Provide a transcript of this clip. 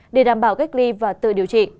để đảm bảo cách ly và tự điều trị